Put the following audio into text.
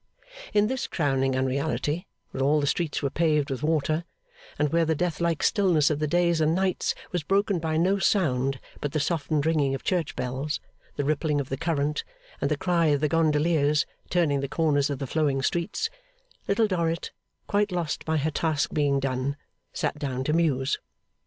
In this crowning unreality, where all the streets were paved with water, and where the deathlike stillness of the days and nights was broken by no sound but the softened ringing of church bells, the rippling of the current, and the cry of the gondoliers turning the corners of the flowing streets, Little Dorrit, quite lost by her task being done, sat down to muse.